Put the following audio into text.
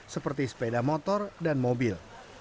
seperti sepeda motor dan mobil